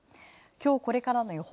今日これからの予報。